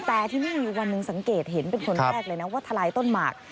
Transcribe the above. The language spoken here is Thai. แต่ทีนี้มีวันหนึ่งสังเกตเห็นเป็นคนแรกเลยนะว่าทลายต้นหมาก